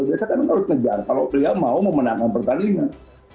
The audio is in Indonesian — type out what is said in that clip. biasanya kalau dikejar kalau pilihan mau memenangkan pertandingan